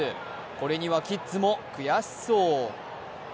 これにはキッズも悔しそう。